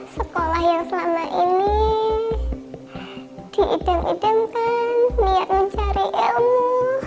sekolah yang selama ini diidam idamkan niat mencari ilmu